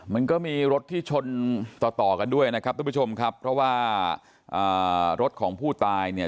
มันก็มีรถที่ชนต่อต่อกันด้วยนะครับทุกผู้ชมครับเพราะว่ารถของผู้ตายเนี่ย